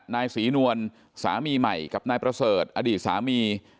นายศรีนวลสามีใหม่กับนายประเสริฐอดีตสามี